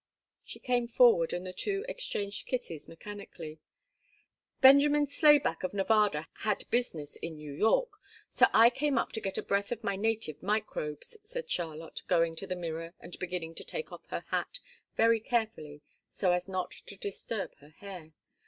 She came forward, and the two exchanged kisses mechanically. "Benjamin Slayback of Nevada had business in New York, so I came up to get a breath of my native microbes," said Charlotte, going to the mirror and beginning to take off her hat very carefully so as not to disturb her hair.